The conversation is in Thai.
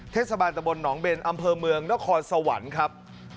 เทศบาลตะบลหนองเบนอำเภอเมืองนครสวรรค์ครับ